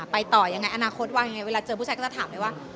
ไปต่อยังไงอนาคตว่ายังไงเวลาเจอผู้ชายก็จะถามได้ว่า